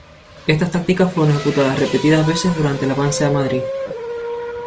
Estas tácticas fueron ejecutadas repetidas veces durante el avance a Madrid.